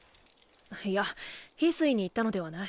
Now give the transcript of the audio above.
いや翡翠に言ったのではない。